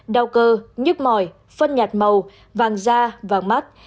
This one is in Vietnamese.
đau cơ nhức mỏi phân nhạt màu vàng da vàng mắt